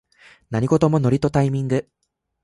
何事もノリとタイミング